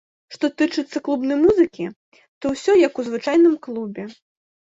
Што тычыцца клубнай музыкі, то ўсё як у звычайным клубе.